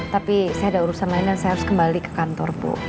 tapi saya ada urusan lain dan saya harus kembali ke kantor bu